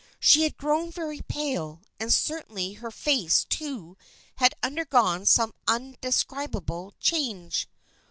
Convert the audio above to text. She had grown very pale, and certainly her face too had undergone some indescribable change.